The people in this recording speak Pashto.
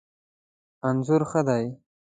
انځور ښه دی